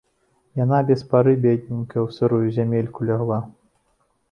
Яна без пары, бедненькая, у сырую зямельку лягла.